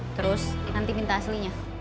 terus nanti minta aslinya